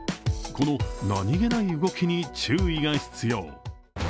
この何気ない動きに注意が必要。